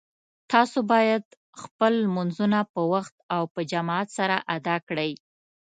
تاسو باید خپل لمونځونه په وخت او په جماعت سره ادا کړئ